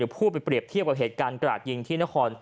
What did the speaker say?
พูดไปเปรียบเทียบกับเหตุการณ์กราดยิงที่นคร